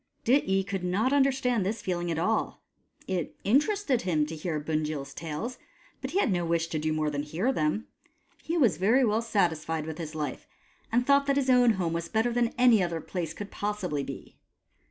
Dityi could not understand this feeling at all. It interested him to hear Bunjil's tales, but he had no wish to do more than hear them. He was very well satisfied with his life, and thought that his own home was better than any other place could possibly be.